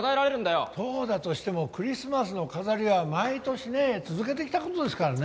そうだとしてもクリスマスの飾りは毎年ね続けてきた事ですからね。